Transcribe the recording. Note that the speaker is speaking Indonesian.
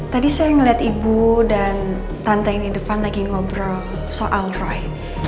tadi saya melihat ibu dan tante yang di depan lagi ngobrol soal roy